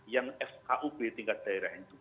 yang fkub tingkat daerah itu